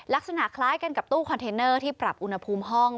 ลักษณะคล้ายกันกับตู้คอนเทนเนอร์ที่ปรับอุณหภูมิห้อง